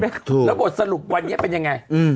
แล้วบทสรุปวันนี้เป็นยังไง